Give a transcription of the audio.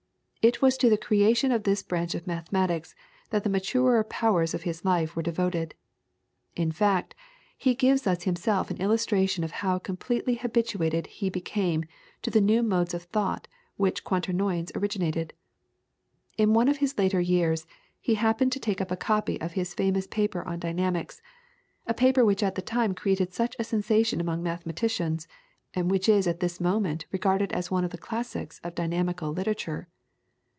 It was to the creation of this branch of mathematics that the maturer powers of his life were devoted; in fact he gives us himself an illustration of how completely habituated he became to the new modes of thought which Quaternions originated. In one of his later years he happened to take up a copy of his famous paper on Dynamics, a paper which at the time created such a sensation among mathematicians, and which is at this moment regarded as one of the classics of dynamical literature.